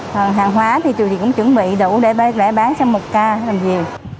còn hàng hóa thì trừ gì cũng chuẩn bị đủ để bán xong một ca làm gì